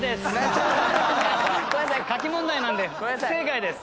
書き問題なので不正解です。